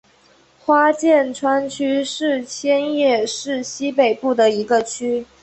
花见川区是千叶市西北部的一个区。